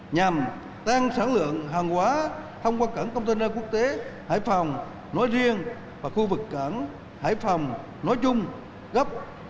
nhằm tăng sản lượng hàng hóa thông qua cảng container quốc tế hải phòng nói riêng và khu vực cảng hải phòng nói chung gấp